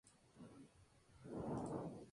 La escaramuza: La danza de la guerra.